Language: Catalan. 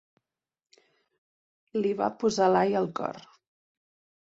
Li va posar l'ai al cor.